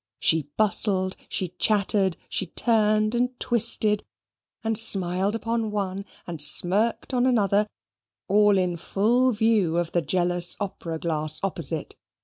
She bustled, she chattered, she turned and twisted, and smiled upon one, and smirked on another, all in full view of the jealous opera glass opposite.